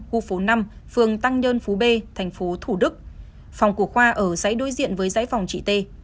khu phố năm phường tăng nhơn phố b thành phố thủ đức phòng của khoa ở giấy đối diện với giấy phòng chị tê